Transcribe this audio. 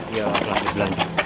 iya lagi belanja